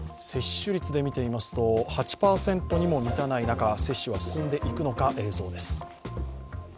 接種率で見てみますと、８％にも満たない中接種は進んでいくのか映像です。